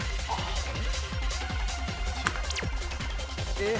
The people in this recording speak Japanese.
えっ？